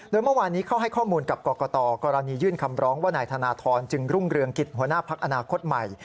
โดยเมื่อวานนี้เข้าให้ข้อมูลกับกรกตกรณียื่นคำร้องว่านายธนทรจึงรุ่งเรืองกิจหัวหน้าพักอนาคตใหม่